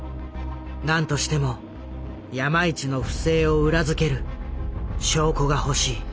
何としても山一の不正を裏付ける証拠が欲しい。